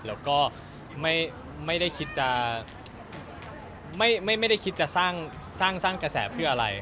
แล้วก็ไม่ได้คิดจะสร้างกระแสเพื่ออะไร